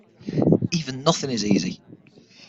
Even Nothing is easy!